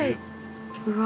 うわ。